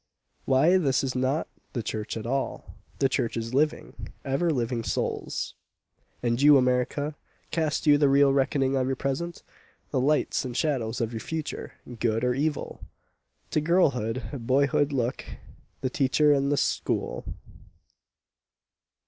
Why this is not the church at all the church is living, ever living souls.") And you America, Cast you the real reckoning for your present? The lights and shadows of your future, good or evil? To girlhood, boyhood look, the teacher and the school.